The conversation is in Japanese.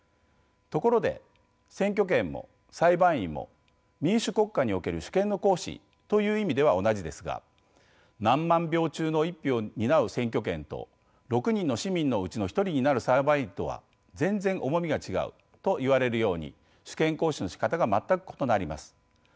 ところで選挙権も裁判員も民主国家における主権の行使という意味では同じですが何万票中の１票を担う選挙権と６人の市民のうちの１人になる裁判員とはぜんぜん重みが違うと言われるように主権行使のしかたが全く異なります。